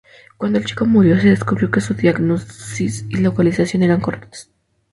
Cuando el chico murió, se descubrió que su diagnosis y localización eran correctas.